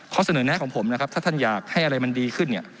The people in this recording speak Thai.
เสนอแนะของผมนะครับถ้าท่านอยากให้อะไรมันดีขึ้นเนี่ย